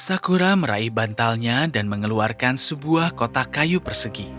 sakura meraih bantalnya dan mengeluarkan sebuah kotak kayu persegi